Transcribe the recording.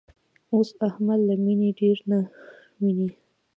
اوس احمد له مینې ډېر نه ویني.